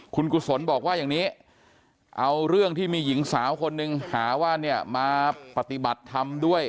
คุณกุศลบอกว่าอย่างนี้เอาเรื่องที่มีหญิงสาวคนหนึ่งหาว่าเนี่ยมาปฏิบัติธรรมด้วย